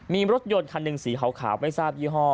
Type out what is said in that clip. มีรถยนต์คันหนึ่งสีขาวไม่ทราบยี่ห้อ